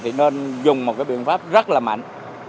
thì nên dùng một cái biện pháp rất là mạnh